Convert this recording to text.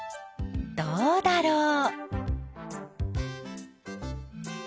どうだろう？